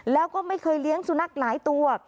แล้วก็ไม่เคยเลี้ยงสุนัขหลายตัว